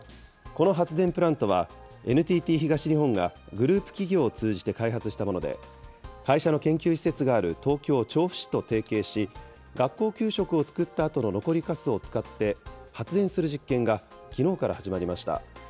この発電プラントは、ＮＴＴ東日本が、グループ企業を通じて開発したもので、会社の研究施設がある東京・調布市と提携し、学校給食を作ったあとの残りかすを使って、発電する実験が、きのうから始まりました。